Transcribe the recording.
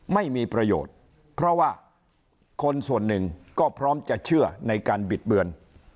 ไม่มีประโยชน์เพราะว่าคนส่วนหนึ่งก็พร้อมจะเชื่อในการบิดเบือน